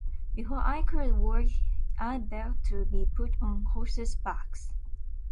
Before I could walk I begged to be put on horses' backs.